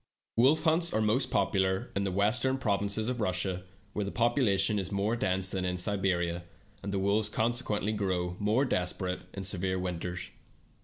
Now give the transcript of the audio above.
Wolf hunts are most popular in the western provinces of Russia, where the population is more dense than in Siberia, and the wolves consequently grow more desperate in severe winters.